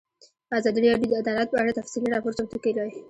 ازادي راډیو د عدالت په اړه تفصیلي راپور چمتو کړی.